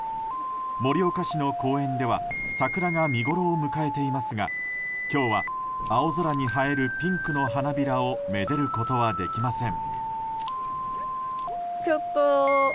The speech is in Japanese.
盛岡市の公園では桜が見ごろを迎えていますが今日は青空に映えるピンクの花びらをめでることはできません。